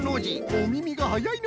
おみみがはやいのう！